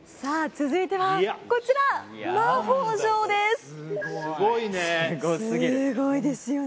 続いてはこちらすごいねすごいですよね